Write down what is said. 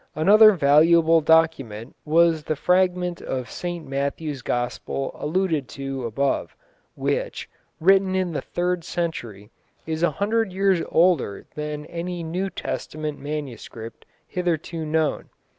Another valuable document was the fragment of St Matthew's Gospel alluded to above, which, written in the third century, is a hundred years older than any New Testament manuscript hitherto known.